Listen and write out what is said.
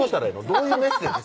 どういうメッセージ？